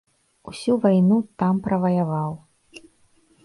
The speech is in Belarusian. Усю вайну там праваяваў.